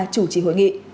chủ trì hội nghị